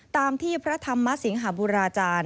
ตามที่พระธรรมสิงหาบุราจารย์